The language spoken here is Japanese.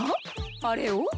あれを？